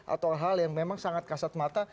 atau hal hal yang memang sangat kasat mata